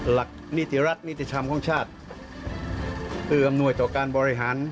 หลักนิติรัฐนิติธรรมของชาติเอื้ออำนวยต่อการบริหาร